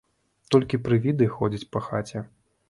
Толькі прывіды ходзяць па хаце.